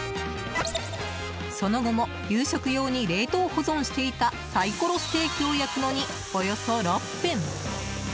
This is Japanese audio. その後も夕食用に冷凍保存していたサイコロステーキを焼くのにおよそ６分。